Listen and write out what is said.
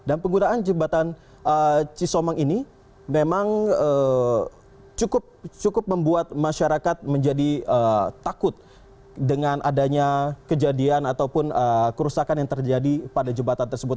dan penggunaan jembatan cisomang ini memang cukup membuat masyarakat menjadi takut dengan adanya kejadian ataupun kerusakan yang terjadi pada jembatan tersebut